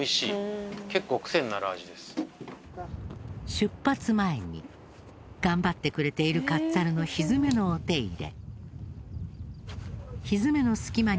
出発前に頑張ってくれているカッツァルの蹄のお手入れ。